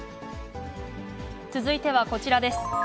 続いてはこちらです。